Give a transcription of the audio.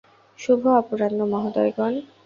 শুভ অপরাহ্ন, মহোদয়গণ।